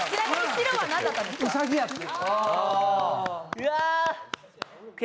うわ！